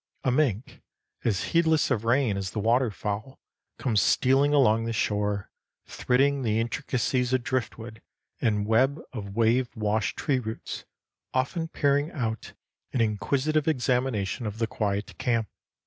A mink, as heedless of rain as the waterfowl, comes stealing along the shore, thridding the intricacies of driftwood and web of wave washed tree roots, often peering out in inquisitive examination of the quiet camp.